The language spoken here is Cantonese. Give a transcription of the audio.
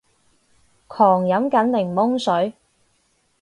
狂飲緊檸檬水